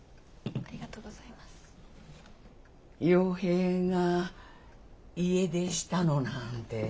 陽平が家出したのなんて初めてなの。